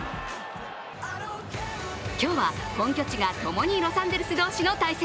今日は本拠地がともにロサンゼルス同士の対戦。